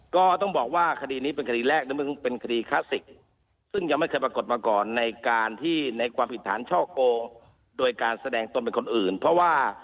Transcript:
ค่ะท่านท่านสงการจริงคดีนี้มันซับซ้อนมากไหมคะเนี่ย